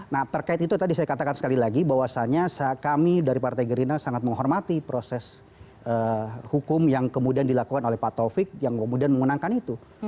nah terkait itu tadi saya katakan sekali lagi bahwasannya kami dari partai gerindra sangat menghormati proses hukum yang kemudian dilakukan oleh pak taufik yang kemudian memenangkan itu